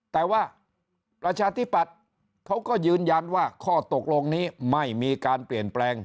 แต่ว่าประชาธิปัตย์เขาก็ยืนยันว่าข้อตกลงนี้ไม่มีการเปลี่ยนแปลง